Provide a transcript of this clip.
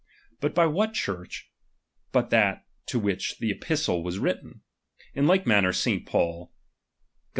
But by what Church, but that to which that epistle was written? In like manner St. Paul (Gal.